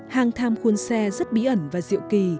hang tham khuôn xe rất bí ẩn và diệu kỳ